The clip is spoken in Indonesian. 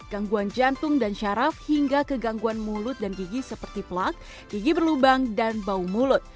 gangguan jantung dan syaraf hingga kegangguan mulut dan gigi seperti plak gigi berlubang dan bau mulut